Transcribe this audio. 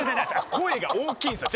声が大きいんすよ。